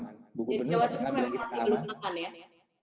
jawa timur masih belum aman ya